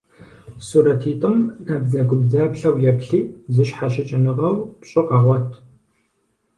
Сурэтитӏым набдзэгубдзаплъэу еплъи, зэщхьэщыкӏыныгъэу пщӏы къэгъуэт.